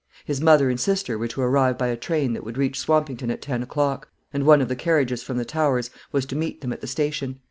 His mother and sister were to arrive by a train that would reach Swampington at ten o'clock, and one of the carriages from the Towers was to meet them at the station.